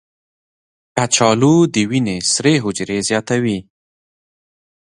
کچالو د وینې سرخ حجرې زیاتوي.